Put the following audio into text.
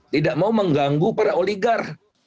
tidak mau mengganggu para oligar